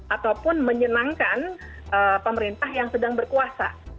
ataupun menyenangkan pemerintah yang sedang berkuasa